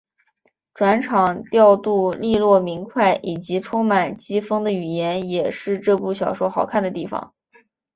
转场调度俐落明快以及充满机锋的语言也是这部小说好看的地方。